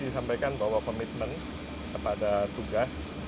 saya sampaikan bahwa komitmen kepada tugas